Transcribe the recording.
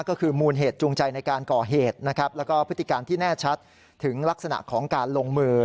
ก็คือมูลเหตุจูงใจในการก่อเหตุนะครับแล้วก็พฤติการที่แน่ชัดถึงลักษณะของการลงมือ